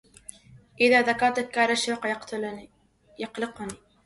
إذا ذكرتك كاد الشوق يقلقني